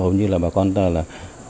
hầu như là bà con ta là